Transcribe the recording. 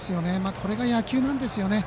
これが野球なんですよね。